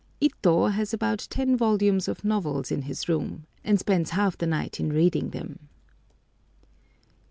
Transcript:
Ito has about ten volumes of novels in his room, and spends half the night in reading them.